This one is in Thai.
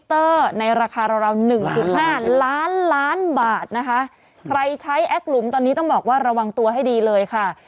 ตอนนี้ต้องบอกว่าระวังตัวให้ดีเลยค่ะ